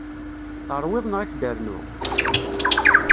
Teṛwiḍ neɣ ad k-d-rnuɣ?